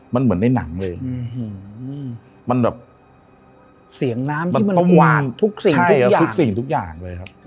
มันเหมือนในหนังเลยมันแบบเสียงน้ำที่มันจับประมาณพูดของทุกสิ่งทุกอย่าง